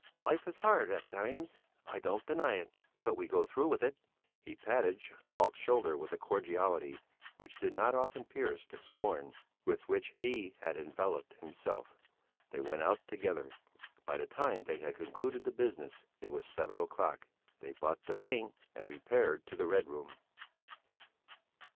Life is hard at times, I don't deny it; but we go through with it." He patted Falk's shoulder with a cordiality which did not often pierce the scorn with which he had enveloped himself. They went out together. By the time they had concluded the business it was seven o'clock. They bought the paint and repaired to the Red Room.